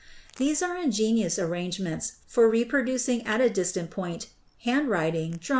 These are ingenious arrangements for reproducing at a distant point handwriting, drawings, etc.